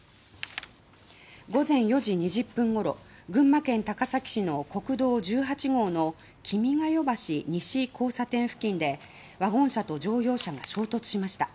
午前４時２０分ごろ群馬県高崎市の国道１８号の君が代橋西交差点付近でワゴン車と乗用車が衝突しました。